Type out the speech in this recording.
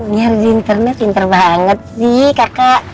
ngeri di internet pinter banget sih kakak